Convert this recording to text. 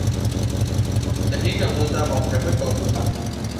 Da ni da Musa bamu tafi da wuri ba.